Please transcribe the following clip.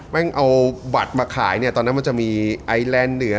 งเอาบัตรมาขายเนี่ยตอนนั้นมันจะมีไอแลนด์เหนือ